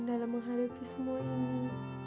dalam menghadapi semua ini